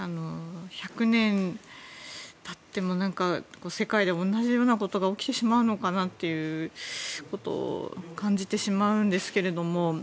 １００年経っても世界では同じことが起きてしまうのかということを感じてしまうんですけれども。